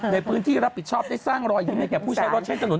ในพื้นที่รับผิดชอบจะทำรอยยิงในแก่ผู้ใช้รถใช้จะนุน